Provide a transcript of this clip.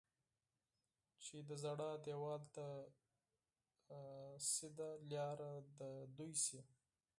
چې د ژړا دېوال ته سیده لاره د دوی شي.